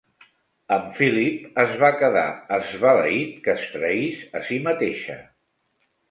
En Philip es va quedar esbalaït que es traís a si mateixa.